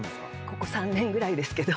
ここ３年ぐらいですけど。